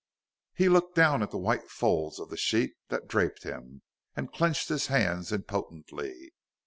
He looked down at the white folds of the sheet that draped him, and clenched his hands impotently.